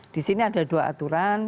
di sini ada dua aturan